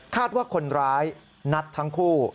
ว่าคนร้ายนัดทั้งคู่